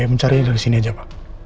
mencarinya dari sini aja pak